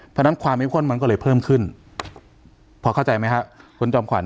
เพราะฉะนั้นความเข้มข้นมันก็เลยเพิ่มขึ้นพอเข้าใจไหมครับคุณจอมขวัญ